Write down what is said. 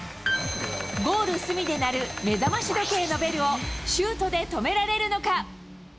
ゴール角で鳴る目覚まし時計のベルをシュートで止められるのか。